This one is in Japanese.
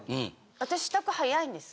私支度早いんです。